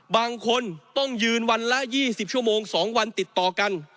บางคนต้องยืนวันละ๒๐ชั่วโมง๒วันติดต่อกัน